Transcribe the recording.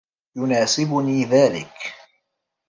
يناسبني ذلك.